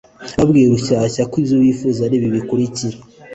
babwiye Rushyashya ko ibyo bifuza ari ibi bikurikira